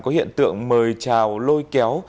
có hiện tượng mời trào lôi kéo